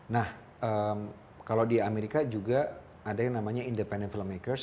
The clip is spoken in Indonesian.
nah kalau di amerika juga ada yang namanya independent filmmakers